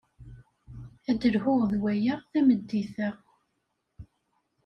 Ad d-lhuɣ d waya tameddit-a.